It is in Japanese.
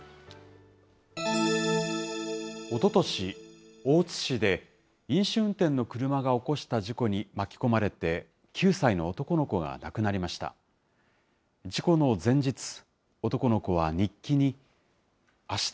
おととし、大津市で飲酒運転の車が起こした事故に巻き込まれて、９歳の男の子が亡くなりました。